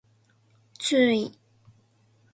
注意